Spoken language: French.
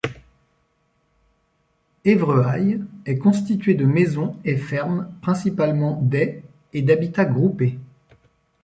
Évrehailles est constitué de maisons et fermes principalement des et d'habitat groupé.